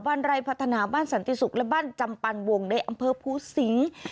บ้านไร่พัฒนาบ้านสนติสุกและบ้านจำปันวงในอำเภอภูซิง